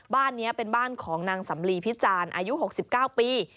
บ้านนี้เป็นบ้านของนางสำลีพิจารณ์อายุ๖๙ปี